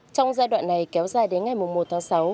trong giai đoạn này kéo dài đến ngày một tháng sáu